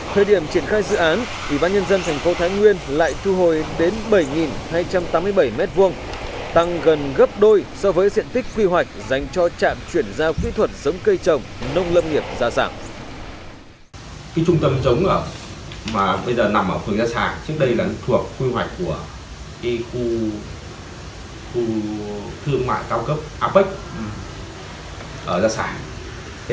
thời điểm triển khai dự án quỹ ban nhân dân thành phố thái nguyên lại thu hồi đến bảy hai trăm tám mươi bảy m hai tăng gần gấp đôi so với diện tích quy hoạch dành cho trạm chuyển giao kỹ thuật tống cây trồng nông lập nghiệp đa dạng